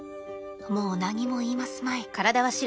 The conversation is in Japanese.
もう何も言いますまい。